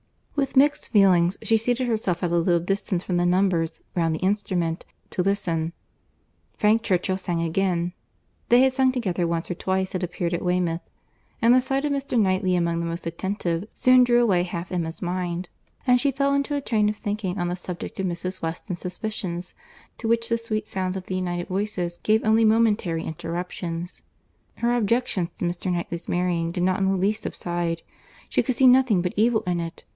With mixed feelings, she seated herself at a little distance from the numbers round the instrument, to listen. Frank Churchill sang again. They had sung together once or twice, it appeared, at Weymouth. But the sight of Mr. Knightley among the most attentive, soon drew away half Emma's mind; and she fell into a train of thinking on the subject of Mrs. Weston's suspicions, to which the sweet sounds of the united voices gave only momentary interruptions. Her objections to Mr. Knightley's marrying did not in the least subside. She could see nothing but evil in it.